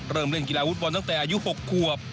เริ่มเล่นกีฬาวูดบอลตั้งแต่อายุ๖ขวบ